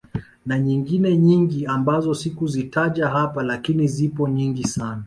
Na nyingine nyingi ambazo sikuzitaja hapa lakini zipo nyingi sana